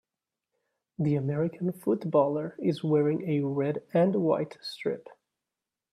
The American footballer is wearing a red and white strip.